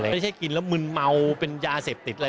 ไม่ใช่กินแล้วมึนเมาเป็นยาเสพติดอะไร